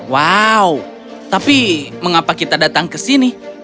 wow tapi mengapa kita datang ke sini